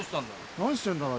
何してんだろう？